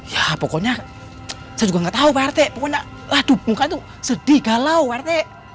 ya pokoknya saya juga gak tau pak rt pokoknya aduh muka itu sedih galau pak rt